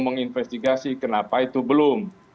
menginvestigasi kenapa itu belum